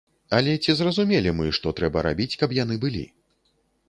Але ці зразумелі мы, што трэба рабіць, каб яны былі?